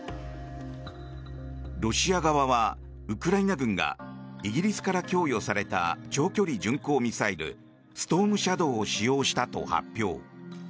ロシア側はウクライナ軍がイギリスから供与された長距離巡航ミサイルストームシャドーを使用したと発表。